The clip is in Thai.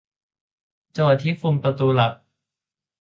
จังหวัดที่คุมประตูหลัก